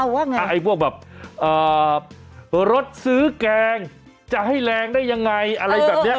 ว่าไงไอ้พวกแบบรถซื้อแกงจะให้แรงได้ยังไงอะไรแบบนี้